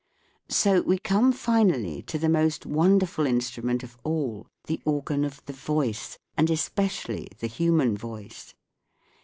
So we come finally to the most wonderful instrument of all, the organ of the voice, and especially the human voice.